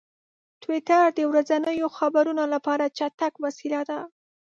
ټویټر د ورځنیو خبرونو لپاره چټک وسیله ده.